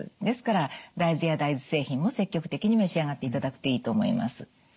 ですから大豆や大豆製品も積極的に召し上がっていただくといいと思います。